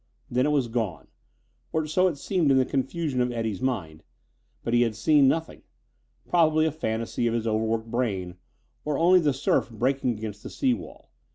Then it was gone or so it seemed in the confusion of Eddie's mind; but he had seen nothing. Probably a fantasy of his overworked brain, or only the surf breaking against the sea wall.